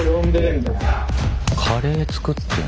カレー作ってる。